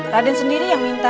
raden sendiri yang minta